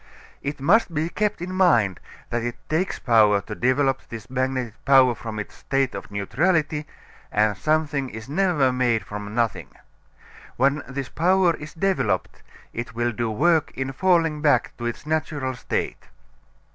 It must be kept in mind that it takes power to develop this magnetic power from its state of neutrality and that something is never made from nothing. When this power is developed it will do work in falling back to its natural state.